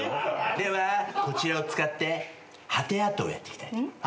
ではこちらを使って歯テアートをやっていきたいと思います。